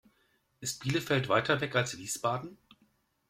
Ist Bielefeld weiter weg als Wiesbaden?